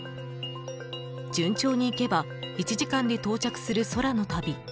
順調にいけば１時間で到着する空の旅。